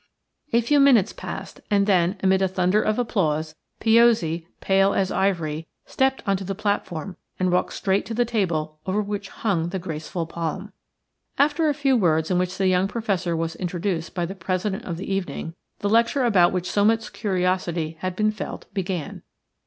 A few minutes passed, and then, amid a thunder of applause, Piozzi, pale as ivory, stepped on to the platform and walked straight to the table over which hung the graceful palm. After a few words in which the young Professor was introduced by the President of the evening, the lecture about which so much curiosity had been felt began.